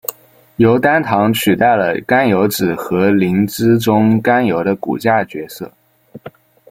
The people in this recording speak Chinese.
由单糖取代了甘油酯和磷脂中甘油的骨架角色。